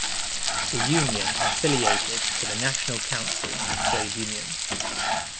The union affiliated to the National Council of Trade Unions.